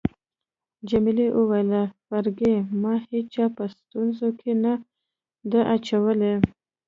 جميلې وويل: فرګي، ما هیچا په ستونزو کي نه ده اچولی.